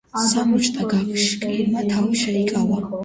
საბჭოთა კავშირმა თავი შეიკავა.